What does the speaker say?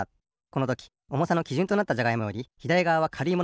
このときおもさのきじゅんとなったじゃがいもよりひだりがわはかるい